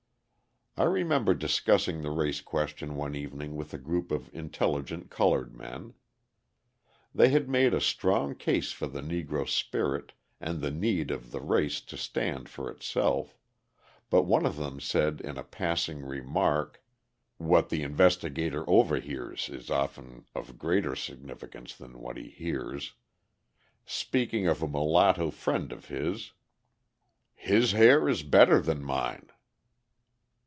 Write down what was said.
I remember discussing the race question one evening with a group of intelligent coloured men. They had made a strong case for the Negro spirit, and the need of the race to stand for itself, but one of them said in a passing remark (what the investigator overhears is often of greater significance than what he hears), speaking of a mulatto friend of his: "His hair is better than mine."